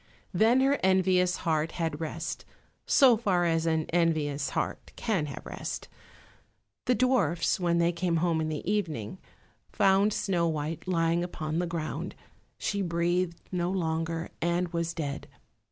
Then her envious heart had rest, so far as an envious heart can have rest. The dwarfs, when they came home in the evening, found Snow white lying upon the ground; she breathed no longer and was dead.